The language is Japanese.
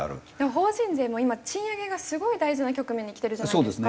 法人税も今賃上げがすごい大事な局面にきてるじゃないですか。